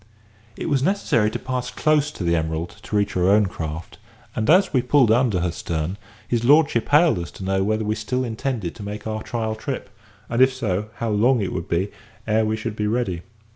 It was necessary to pass close to the Emerald to reach our own craft, and as we pulled under her stern, Lord hailed us to know whether we still intended to make our trial trip, and, if so, how long it would be ere we should be ready.